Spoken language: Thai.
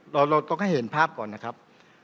เราต้องให้เห็นภาพก่อนนะครับ